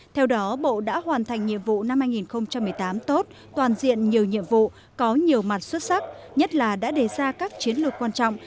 theo đó bộ đã hoàn thành nhiệm vụ năm hai nghìn một mươi tám tốt toàn diện nhiều nhiệm vụ có nhiều mặt xuất sắc nhất là đã đề ra các chiến lược quan trọng